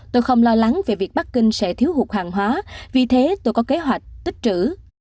tôi không lo lắng về việc bắc kinh sẽ thiếu hụt hàng hóa vì thế tôi có kế hoạch tích trữ